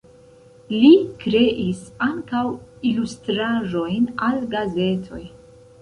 Li kreis ankaŭ ilustraĵojn al gazetoj.